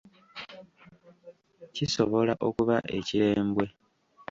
Kisobola okuba ekirembwe.